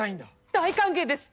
大歓迎です！